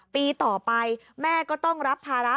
ปีต่อไปแม่ก็ต้องรับภาระ